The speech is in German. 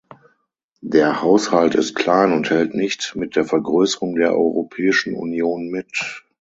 Der Haushalt ist klein und hält nicht mit der Vergrößerung der Europäischen Union mit.